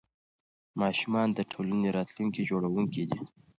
ماشومان د ټولنې راتلونکي جوړوونکي دي.